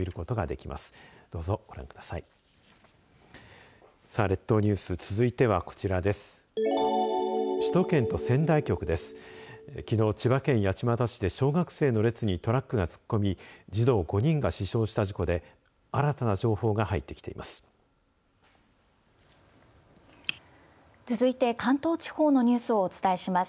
きのう千葉県八街市で小学生の列にトラックが突っ込み児童５人が死傷した事故で新たな情報が入ってきています。